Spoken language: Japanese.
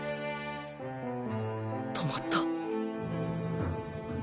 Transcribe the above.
止まった。